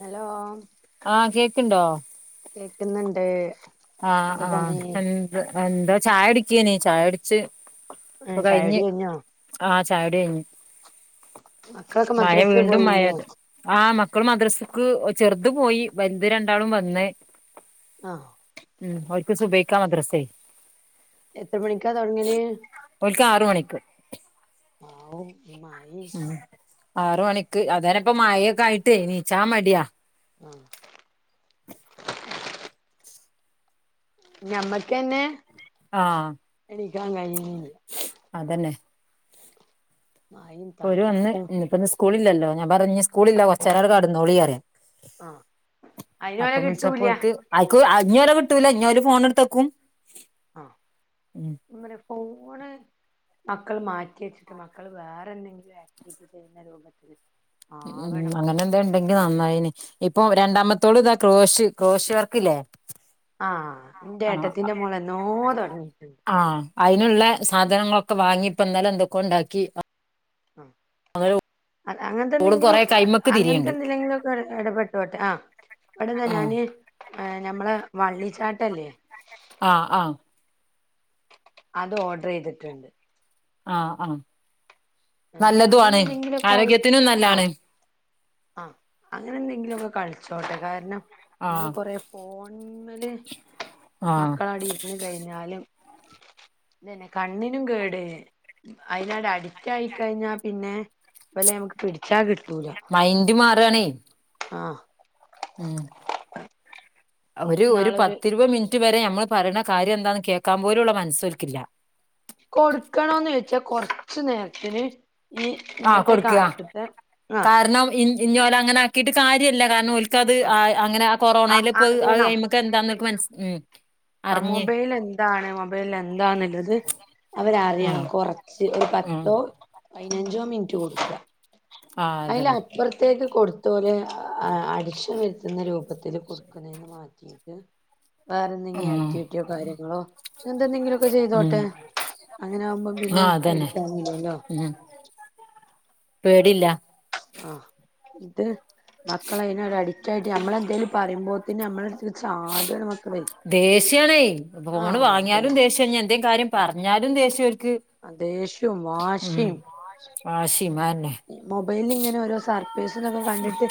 Hello ആഹ് കേക്ണ്ടോ? കേക്ന്ന്ണ്ട് ആഹ് ആഹ് എന്ത്‌ എന്താ ചായ കുടിക്കെനി ചായ ച്ച് ഇപ്പൊ ഏഹ് ചായുടി കഴിഞ്ഞ് കഴിഞ്ഞോ ആഹ് ചായുടി കഴിഞ് മക്കളൊക്കെ മഴ മദ്രസേ വീണ്ടും പോയില്ലേ മഴത് ആഹ് മക്കള് മദ്രസക്ക് ചെർത് പോയി വൽത് രണ്ടാളും വന്ന് ആഹ് ഉം ഓൽക്ക് സുബൈക്കാ മദ്രസേ എത്ര മണിക്കാ തോടങ്ങല്? ഓൽക്ക് ആറ് മണിക്ക് ആവു ഇമാൻ ഉം ആറ് മണിക്ക് അതനെപ്പം മഴൊക്കെ ആയിട്ടേ നീച്ചാമടിയാ ആഹ് ഞമ്മക്കെന്നെ ആഹ് എണീക്കാൻ കഴിന്നില്ല അതന്നെ [unintelligible] ഇപ്പോ ഓര് വന്ന് ഇനി ഇപ്പ ഇന്ന് സ്കൂളില്ലല്ലോ ഞാൻ പറഞ്ഞ് സ്കൂളില്ലാ കൊറച്ചേരം അവിടെ കെടന്നോളി പറയാൻ ആഹ് അയിനോലെ അപ്പം വിളിച്ചപ്പ കിട്ടൂല ഓൽക്ക് ആക്കൂ ആഹ് ഇഞ്ഞി അവരെ കിട്ടൂല ഇഞ്ഞി ഓര് ഫോണെടുത്ത് വെക്കും. ആഹ് ഞാൻ പറയാ ഫോണ് മക്കള് മാറ്റി വെച്ചിട്ട് മക്കള് വേറെന്തെങ്കിലും ആക്ടിവിറ്റി ചെയ്യുന്ന രൂപത്തില് ഉം ആവണം അങ്ങനെ എന്തൊൺ ണ്ടെങ്കി നന്നായെനേ ഇപ്പൊ രണ്ടാമത്തോള് ഇതാ ക്രോഷ് ക്രോഷ് വർക്കില്ലേ ആഹ് ന്റെ ആഹ് ഏട്ടത്തിന്റെ മോള് എന്നോ തൊടങ്ങിട്ടൊണ്ട്. ആഹ് അയിനുള്ളേ സാധനങ്ങളൊക്കെ വാങ്ങി ഇപ്പ ഇന്നലെ എന്തൊക്കെയോ ഉണ്ടാക്കി അ ആഹ് അ അങ്ങനത്തെ ഓള് എന്തെങ്കിലും കൊറെ കൈമക്ക് അങ്ങനത്തെ തിരിയണ്ട് എന്തിലെങ്കിലൊക്കെ ഓര് എടപ്പെട്ടോട്ടെ ആഹ് ഇവടന്ന് ആഹ് ഞാന് ഏഹ് ഞമ്മള വള്ളിച്ചാട്ടം ഇല്ലേ ആഹ് ആഹ് അത് ഓഡെറ് ചെയ്തിട്ടൊണ്ട് ആഹ് ആഹ് ഏ നല്ലതും അങ്ങനെ ആണ് എന്തെങ്കിലുമൊക്കെ ആരോഗ്യത്തിനും നല്ലാണ് ആഹ് അങ്ങനെ എന്തെങ്കിലുമൊക്കെ കളിച്ചോട്ടെ കാരണം നമ്മെള് ആഹ് കൊറെ ഫോണിൻ മേല് ആഹ് മക്കള ആടെ ഇരു ഇത് കഴിഞ്ഞാലും ഇതന്നെ കണ്ണിനും കേട് അതിനൊട് അഡി ക്റ്റായി കഴിഞ്ഞാപ്പിന്നെ ഇവലെ നമുക്ക് പിടിച്ചാ കിട്ടൂല മൈൻഡ് മാറുകാണേ ആഹ് ഉം ഒരു ഒരു നാളൊരു പത്തിരുപത് മിനിറ്റ് വരെ നമ്മള് പറയണ കാര്യം എന്താന്ന് കേക്കാൻ പോലുള്ള മനസ്സ് ഓൽക്കില്ല. കൊടുക്കണോന്ന് ചോയ്ച്ചാ കൊറച്ച് നേരത്തിന് ഏഹ് ആഹ് കൊടുക്കുക കാരണം ഇൻ ഇഞ്ഞി ഓല അങ്ങനെ ആക്കിയിട്ട് കാര്യല്ല കാരണം ഓൽക്കത് അത് അ അ അങ്ങനെ ആ ആഹ് കൊറോണയില് ഇപ്പോ അത് അയ് അറിയണം കഴിയുമ്പം ക്കെ എന്താന്നൊക്കെ മനസ്സ് ഉം ആഹ് അറിഞ്ഞ് മൊബൈല് എന്താണ് മൊബൈലില് എന്താണ് ഇള്ളത് അവരറിയണം ആഹ് കൊറച്ച് ഒരു ആഹ് പത്തോ പയിനഞ്ചോ മിനിറ്റ് കൊടുക്കാ ആഹ് അയില് അതന്നെ അപ്പറത്തേക്ക് കൊടുത്തോല് ആഹ് അടിച്ചമർത്തുന്ന രൂപത്തില് കൊടുക്കനെന്ന് മാറ്റീട്ട് വേറെന്തെങ്കിലും ഉം ആക്ടിവിറ്റിയോ കാര്യങ്ങളോ എന്തൊന്നെങ്കിലുമൊക്കെ ഉം ചെയ്തോട്ടെ അങ്ങനെയാവുമ്പം പിന്നെ ആഹ് അതന്നെ പേടിക്കാനൊന്നില്ലല്ലോ ഉം പേടില്ല ആഹ് ഇത് മക്കള് അതിനൊരു അഡിക്റ്റായിട്ട് നമ്മളെന്തേലും പറയുമ്പോത്തെന് നമ്മെളെടുത്ത് ദേഷ്യാണേ ഫോണ് ആഹ് വാങ്ങിയാലും ദേഷ്യം ഇനി എന്തേ കാര്യം പറഞ്ഞാലും ദേഷ്യം ഓർക്ക് ആഹ് ദേഷ്യവും വാഷിയും വാശീം അയന്നെ മൊബൈല് ഇങ്ങനെ ഓരോ സർപ്രൈസ് എന്നൊക്കെ കണ്ടിട്ട്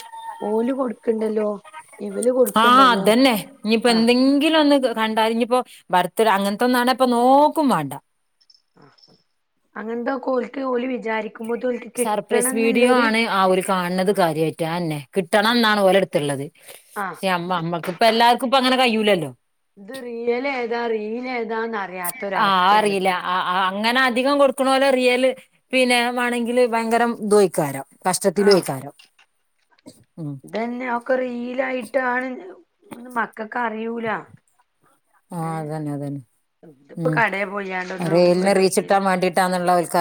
ഓല് കൊടുക്ക്ണ്ടല്ലോ. ഇവല് കൊ ആഹ് അതന്നെ ഇനിയിപ്പ എന്തെങ്കിലും ഒന്ന് ക കണ്ടാല് ഇനി പ്പൊ ബർത്തിടെ അങ്ങനെത്തെ ഒന്നാണേൽ ഇപ്പൊ നോക്കും വേണ്ട ആഹ് അങ്ങനത്തോക്ക ഓൽക്ക് ഓല് വിചാരിക്കുമ്പോ ഇതോൽക് സർപ്രൈസ് വീഡിയോ ആണ് ആ ഒര് കാണണത് ആഹ് കാര്യായിട്ട് അയന്നെ കിട്ടണം എന്നാണ് ഓലെടുത്ത്ള്ളത്. ആഹ് [unintelligible] അമ്മ ഇത് അമ്മക്കിപ്പ എല്ലാർക്കും ഇപ്പ അങ്ങന കയ്യൂലല്ലോ ഇത് റിയൽ ഏതാ റീൽ ഏതാന്ന് അറിയാത്ത ആഹ് ഒരവസ്ഥയാണ് അറിയില്ല ഇപ്പോം ആ ആ അത് അങ്ങനെ അധികം കൊടുക്കണോലെ റിയല് പിന്നെ മാണെങ്കില് ഭയങ്കരം തുംഐയ്ക്കാരം, കഷ്ടത്തിലുയിക്കാരം, തെന്നെ അഒക്ക റീലായിട്ടാണ് മക്കക്ക അറിയൂല. ആഹ്, ഏഹ് അതന്നെ അതന്നെ, ഇതിപ്പോ ഉം കടേ പോയാണ്ടൊന്നും അറീൽന് ഒരു റീച്ച് കിട്ടാം പറ്റിയില്ലെങ്കില് മാണ്ടിട്ടാന്നുള്ളെഓൽക്ക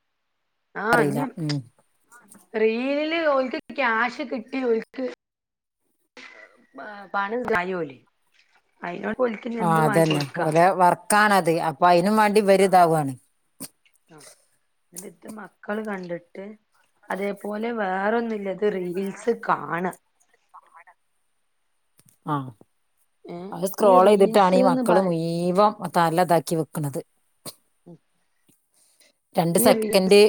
റില്ല, ഉം. റീല് ഓൽക്ക് ക്യാഷ് കിട്ടി ഓൽക്ക്, പണം ണ്ടായോലെ അയ്നോണ്ട് ഓൽകെഞ്ഞി എന്തും വാങ്ങി കൊട്ക്കാ, ക്കാണത് അപ്പൊ അയ്നും വേണ്ടി ആഹ് വര്താവാണ്, ആഹ്, ഇത് മക്കള് കണ്ട്ട്ട്, അതേപോലെ വേറൊന്നില്ല, ത് റീൽസ് കാണ, ആഹ് ഏഹ് അത് ഈ സ്ക്രോൾയ്തിട്ടാണ് ഈ റീൽസ്ന്ന് മക്കള് പറി മുയീമം തലത ക്കി വെക്കണത്, ഉം രണ്ട് സെക്കൻഡ്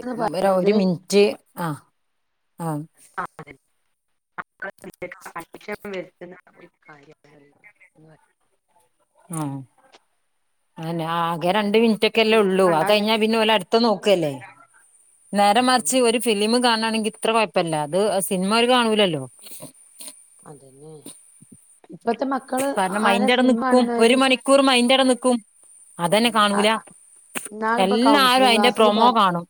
എന്നത് ഒരു മിനിറ്റ് ആഹ് ആഹ്, ആതെ വ [inaudible] ഒരു കാര്യണ്ട് അത്, ആഹ് അതെന്നെ ആകെ രണ്ട് മിനിറ്റൊക്കെല്ലേ റീൽസ് ള്ളൂ കണ്ടാ അത് കഴിഞ്ഞാ തന്നെ പിന്നെ ഓലട് ത നോക്കല്ലേ നേരെ മറിച്ച് അതന്നെ ഒരു ഫിലിം കാണാണെങ്കിൽ ഇത്ര കൊയ് പ്പല്ല അത് സിനിമോര് കാണൂലല്ലോ, അതെന്നെ, കാരണം മയിന്റെടെ നിക്കും കാണുന്നവര് ഒരു മണിക്കൂർ മയിന്റട നിക്കും. അതന്നെ കാണൂല, ഇന്നാളിപ്പോ കൗൺസിലിംഗ് എല്ലാരുഅയിന്റെ പ്രൊമോ കാണും.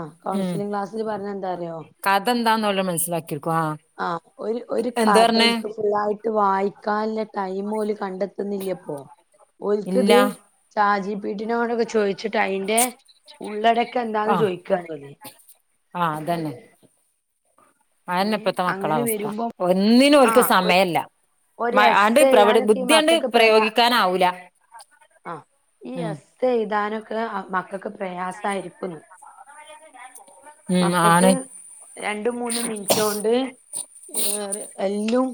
ആഹ്, കൗൺസിലിംഗ് ക്ലാസ്സില് പർഞ്ഞെന്താറിയോ? കഥന്താന്ന്ഓല് മന്സ്സിലാക്കിക്കും, ആഹ്. ആഹ് ഒരു ഒരു എന്ത് പറഞ്ഞേ കാതോൽക്ക് ഫുള്ളായിട്ട്, വായിക്കാൻല്ലെ ടൈം ഓല് കണ്ടെത്തുന്നില്ലപ്പോ ഇല്ല ഓൽക്ക്ത്, ഷാജി പീ ടി നോടൊക്ക ചോയ്ച്ചിട്ട് അയിന്റെ ഉള്ളടക്കെന്താന്ന് ആഹ് ചോയ്ക്കാണ് ഓല്, ആഹ്, അതന്നെ. അഎന്നെ ഏ ഇപ്പത്തെ മക്കള അങ്ങനെ അവസ്ഥ വരുമ്പം ഒന്നിനും ആ ഓൽക്ക് സമയല്ല. ഒരു [unintelligible] അണ്ട് എസ്സേ പ്ര എഴുതാനൊക്കെ ഈ ബുദ്ധിണ്ട് മക്കക്ക് പ്രയോഗിക്കാനാവൂല. ആഹ്, ഉം യെസ് തെഴുതാനൊക്കെ മക്കൾക്ക് പ്രയാസായിരിക്കുന്ന്, ഉം ആണ് മക്കക്ക് രണ്ടും മൂന്നും മിൻ റ്റോണ്ട് എല്ലും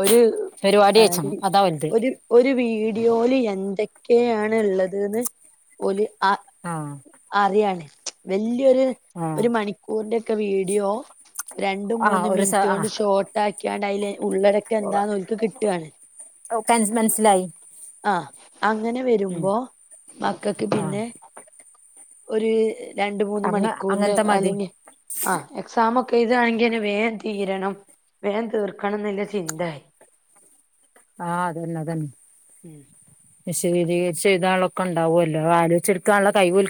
ഒര്, പരിപാടി അയച്ചണം ആഹ് അതാ വലുത് ഒരു, ഒരു വീഡിയോല് എന്തൊക്കെണ് ള്ളെത് ന്ന് ഒരു ആ ആഹ്, അറിയാണ് വല്ല്യരു ആഹ് ഒരു മണിക്കൂർന്റെക്കെ വീഡിയോ രണ്ട് ആഹ് മൂന്ന് ഒരു സ മിൻറ്റോണ്ട് ആഹ് ഷോർട്ട് ആക്ക്യാണ്ട് അതിൽ ഉള്ളടക്ക എന്താന്ന് ഓൽക്ക് ക് ട്യാണ് ഓക്കെ മൻസ്സിലായി ആഹ് അങ്ങനെ വരുമ്പോ മക്കക്ക് ആഹ് പിന്നെ ഒര്.. രണ്ട് മൂന്ന് അങ്ങ മണിക്കൂർന്റെ അങ്ങനത്തെ മതി അല്ലെങ്കി ആഹ് എക്സാം ഒക്കെ എഴ്താണെങ്കി വേം തീരണം വേം തീർക്കണം ന്ന്ള്ള ചിന്തെയി ആഹ് അതന്നെ അതന്നെ ഉം വിശതീകരിച്ചെയ്താൻളൊക്കെ ണ്ടാവല്ലോ ആലോയിച്ചെടുക്കാനുള്ള കൈവോൽ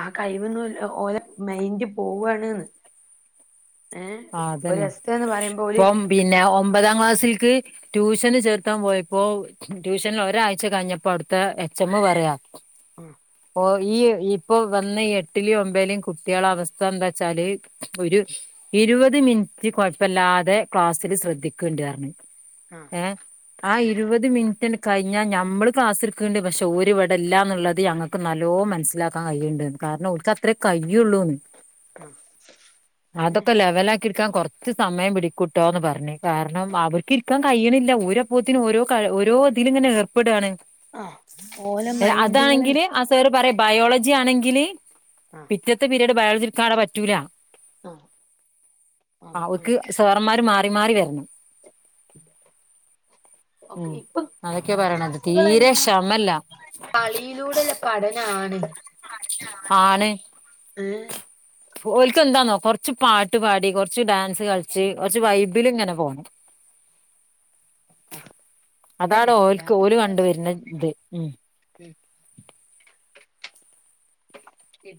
ആ കഴിവൊന്നുല്ല ഓലെ മൈൻറ് പോവാണ്ന്ന് ഏഹ് ഒരു എസ്എന്ന് പറിംമ്പോല് പിന്ന ഒമ്പതാം ക്ലാസ്സൽക്ക് റ്റൂഷന് ചേർത്താൻ പോയപ്പോ റ്റൂഷൻൽ ഒരായ്ച്ച കയ്ഞ്ഞപ്പോ അവ്‌ട്ത്തെ എച്ച് എമ്മ് വ്റെയാ ഉം ഓ ഈ ഇപ്പൊ വന്ന ഈ എട്ടിലേം ഒമ്പയ്‌ലേം കുട്ട്യളെ അവസ്ഥന്താച്ചാല് ഒരു ഇര്പത് മിൻറ്റ് കൊയപ്പ്ല്ലാതെ ക്ലാസ്സില് ശ്രദ്ധിക്ക്ണ്ട്ർഞ്ഞു ആഹ് ഏ ആഹ് ഇരുപത് മിൻറ്റ്ണ്ട് കയ്ഞ്ഞാ ഞമ്മള് ക്ലാസ്സ്ട്ക്ക്ൺണ്ട് പഷെ ഓര്വ്ടെല്ലാന്ന്ള്ളത് ഞങ്ങക്ക് നല്ലോ മനസ്സ്ലാക്കാൻ കയ്യിണ്ട്ന്ന് കാരണം ഓൽക്ക് അത്രേ കയ്യുള്ളൂന്ന് ആഹ് അതന്നെ അതൊക്കെ ലെവലാക് ക്കിട്ക്കാൻ കൊർച്ച് സമയം പിടിക്കൂട്ടോ ന്ന് പറഞ്ഞ് കാരണം അവർക്ക് ഇര്ക്കാൻ കയ്യിണ്ല്ല ഓര് അപ്പോത്തിന് ഓരോ കഴ് ഓരോത്ൽങ്ങനെ ഏർപ്പെട്യാണ് ആഹ് ഓലെ ഏ മൈൻഡുകള് അതാണെങ്കില് അസ്സ് സേർ പറേം ബയോളജിയാണെങ്കില് ആഹ് പിറ്റത്തെ പിരീഡ് ബയോള്ജിട്ക്കാനവ്ടെ പറ്റൂല ആഹ് ആഹ് ഓർക്ക് സാറ്മ്മാര് മാറി മാറി വെർണം [inaudible] ഒക്കെ ഉം ഇപ്പം അതൊക്കെ പറണത് തീരെ ക്ലാസ്സുകളന്നെ ഷെമല്ല കളിയിലൂടെള്ള പഠനാണ് ആണ് ഏ ഓൽക്ക് എന്താന്നോ കൊർച്ച് പാട്ട് പാടി കൊർച്ച് ഡാൻസ് കള്ച്ച് കൊർച്ച് വൈബിലിങ്ങനെ പോണം [inaudible] ആഹ് അതാടോ അതന്നെ എല്ലാ ഓൽക്ക് ഓല് മക്കളേം കണ്ട് അവസ്ഥ വർന്ന ത് ഉം ഉം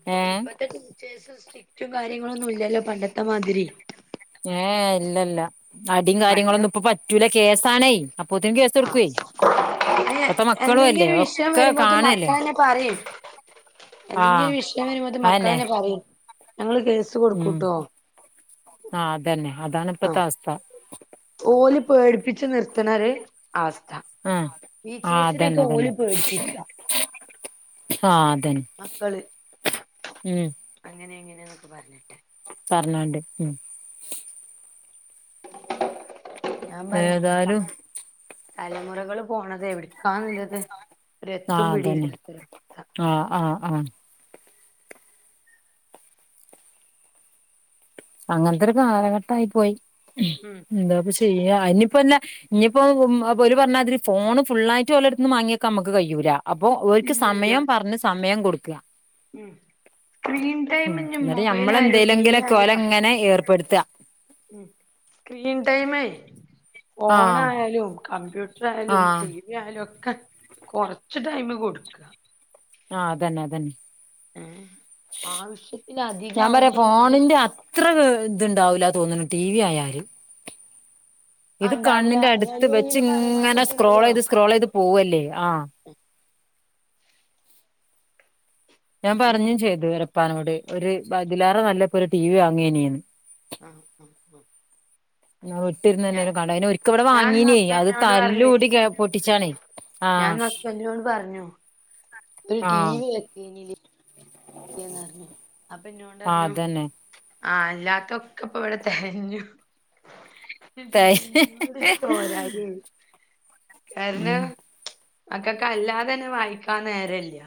പ്പ് ഏഹ് ഇപ്പത്തെ ടീച്ചേഴ്സ് സ്ട്രിക്റ്റും കാര്യങ്ങളൊന്നുല്ല്യലൊ പണ്ടത്തെ മാതിരി ങേ ഇല്ലല്ല അടിം പണ്ടൊ കാര്യങ്ങളൊന്നുപ്പ പറ്റൂല കേസാണേ അപ്പൊത്തിനും കേസ് സൊട്ക്ക്വേ അയ്യെ ന്തെങ്കിലും വിഷയം വരുമ്പോത് കാണല്ലേ മക്കളന്നെ പറയും ആ ന്തെങ്കിലു വിഷയം വരുമ്പോത് അതന്നെ മക്കളന്നെ പറയും ഞങ്ങള് കേസ് ഉം കൊടുക്കൂട്ടോ ആഹ് അതന്നെ അതാണ്പ്പത്തെ ആഹ് അവസ്ഥ ഓല് പേട്പ്പിച്ച് നിർത്ത്ണൊര് അവസ്ഥ ആ ടീച്ചേഴ്സ്‌നെക്കെ ഓല് പേട്പ്പ്ക്ക ആഹ് അതന്നെ മക്കള് അങ്ങനെ എങ്ങനെന്നൊക്കെ പറഞ്ഞിട്ട് പറഞ്ഞാണ്ട് ഉം ഞാൻ പറേം ന്ന്പ്പ ഏതായാലും തലമുറകള് പോണത് എവ്ടക്കാന്ന്ള്ളത് ആഹ് അതന്നെ അവസ്ഥ ആഹ് ആഹ് ആഹ് അങ്ങൻത്തൊര് കാലഘട്ടായ് പോയ് ഉം ഉംന്താപ്പ ചെയ്യ അയ്നിപ്പോന്ന ഞിപ്പോമ്മ് ഓര് പറഞ്ഞാതിരി ഫോണ് ഫുള്ളായിട്ട് ഓലട്ത്ത്ന്ന് മാങ്ങിവ്ക്കാ ഞമ്മക്ക് കയ്യൂല അപ്പൊ ഓര്ക്ക് ഇല്ല ഇല്ല സമയം പർഞ്ഞ് സമയം കൊട്ക്ക്വാ ഉം സ്ക്രീൻ ടൈം ഞ്ഞി മൊബൈലായാലും ടിവിയാലും ക ങ്ങനെ ഏർപ്പെട്ത്ത ഉം സ്ക്രീൻ ടൈമെ ആഹ് ഫോണായാലും കമ്പ്യൂട്ടറായാലും ആഹ് ടീവ് വ്യാലൊക്കെ കൊറച്ച് ടൈംമ് കൊടുക്ക്വാ ആഹ് അതന്നെ അതന്നെ ഏ ആവശ്യത്തിധികാവുമ്പോ ഞാന് ത്രത് ണ്ടാവൂല തോന്ന്ന് ടീവിയായാല് ആ ഇത് ഉണ്ടാവൂല കണ്ണിന്റെ അതിന് അട്ത്ത് അതിന്റെ റീലും കാര്യങ്ങളൊക്കെ വെച്ച്ങ്ങനെ സ്ക്രോൾ ഇട്ടില്ലല്ലോ ചെയ്ത് സ്ക്രോൾ ചെയ്ത് പോവല്ലേ ആഹ് ഞാൻ ആ പറഞ്ഞും ചെയ്ത് അവരെപ്പാനോട് ഒര് പ്പതിലേറെ നല്ലപ്പൊരു ടി വി വാങ്ങിക്കേനിന്ന് ആഹ് ഉം ഉം ആഹ് വിട്ടിര്ന്നെന്നെകടേന്നൊരിക്കിവിടെ ഞാൻ ഇന്ന് വാങ്ങീന്യേ അത് ഹസ്ബൻഡിനോട് പറഞ്ഞേ തല്ലൂടി പൊട്ടിച്ചാണേ ഞാൻ ആഹ് ഹസ്ബന്റ്നോട് പറഞ്ഞു ഒര് ആഹ് ടീവി വക്കേനിലേ യേന്നറഞ്ഞു അപ്പൊ ഇന്നോട്ർ ആഹ് ഞ്ഞു അതന്നെ ആഹ അല്ലാത്തൊക്കെ ഇപ്പൊ ഇവിടെഹ് ഹ് തെകഞ്ഞു ഇ തേ [unintelligible] പോരായി ഉം കാരണം മക്കക്ക്ല്ലാതെന്നെ വായിക്കാൻ നേരല്ല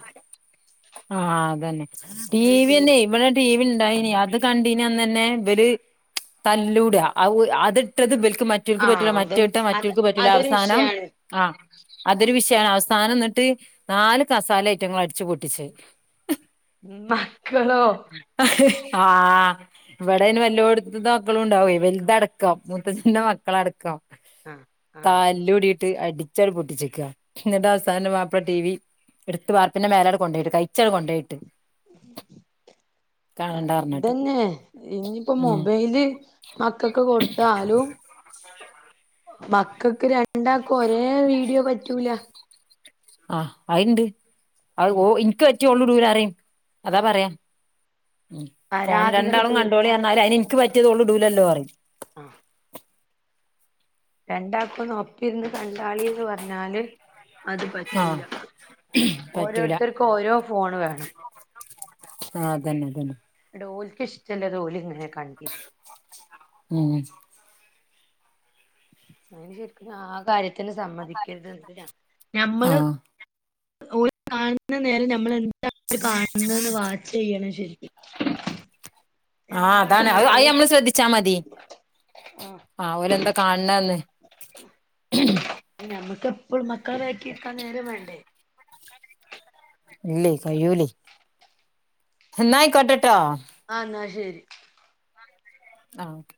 ആഹ് അതന്നെ ടി വിന്നെ ഇവിടെ ടി വി ഇണ്ടായിനി അത് കണ്ടീന്നന്ന്ന്നെ ഇവര് തല്ലൂടെഔ അതിട്ടത് ബൽക്ക് മറ്റ് റ്റൊൾക്ക് പറ്റുല ആഹ് അത് മറ്റേത്ട്ട മറ്റൊൽ അത് ക്ക് പറ്റുല അതൊരു അവസാനം വിഷയാണ് ആഹ് അതൊരു വിഷയാണ് അവസാന ന്നിട്ട് നാല് കസാല ഐറ്റങ്ങൾ അടിച്ചു പൊട്ടിച്ചത് [inaudible] ഉം മക്കളോ? ഹ ഹ് ആഹ ഇവിടെ അയ്ന് വല്ലോട്ത്ത്ത്തെ മക്കളുണ്ടാവു വലുതടക്കം മൂത്തച്ഛന്റെ മക്കളടക്കാം ആഹ് ആഹ് തല്ലൂടിട്ട് അടിച്ചണ് പൊട്ടിച്ചിക്ക്‌ക എന്നിട്ടവസാനം മാപ്പള ടി. വി എടുത്ത് വാർപിന്റെ മേലടെ കൊണ്ട യിട്ട് കയിച്ചണ് കൊണ്ടയിട്ട് അ കാണണ്ടാർഞ്ഞിട്ട് ഇതന്നെ ഇനിയിപ്പോ ഉം മൊബൈല്.. മക്കൾക്ക് കൊടുത്താലും ഒ മക്കക്ക് രണ്ട് ണ്ടാക്കുഒരേ വീഡിയോ പറ്റൂല ആഹ് അത്ണ്ട് അയ് ഓ ഉം ഇൻക്ക് പറ്റിയെഓള്ടൂലറയും അതാ ആഹ് പറയാ ഉം ഫോണ് പരാതികൾ രണ്ടാളും തീർക്കാനേ കണ്ടോളിറഞ്ഞന്ന അയിന് ൻക്ക് പറ്റിയതോള് ടൂലല്ലോ പറീ അഹ് രണ്ടാക്കൊന്ന്പ്പിരുന്ന് കണ്ടാളിന്ന് പറഞ്ഞാല് അത് ആഹ് പറ്റൂല പറ്റൂല ഓരോരുത്തർക്കും ഓരോ ഫോണ് വേണം ആഹ അതന്നെ അതന്നെ ൻട്ടോൽക്ക്‌ഷ്ടമല്ലത് ഓല് ങ്ങനെ കണ്ട ഉം അയിന്ശരിക്കും ആ കാര്യത്തിന് സമ്മതിക്കരുത് ന്ന് ഞമ്മള് ആഹ് ഓല് കാണുന്ന നേരം നമ്മൾെന്താണവര് കാണുന്നെന്ന് വാച്ച് ചെയ്യണം ശരിക്കും ആഹ എന്താണ് അതാണ് അയ് മക്കള് നമ്മള് ശ്രദ്ധിച്ചാ മതി ഓലെന്താ കാണണന്ന് നമ്മുക്ക് എപ്പോളുംമക്കള വാക്കിക്കാൻ നേരം വേണ്ടേ ഇല്ലേയ് കയ്യൂലേയ് ന്ന ആയിക്കോട്ടെട്ടോ ആ ന്നാ ശരി [unintelligible] ആഹ ഓക്കെ